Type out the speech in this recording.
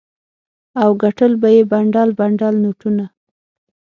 او ګټل به یې بنډل بنډل نوټونه.